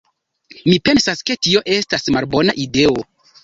Mi pensas ke tio estas malbona ideo.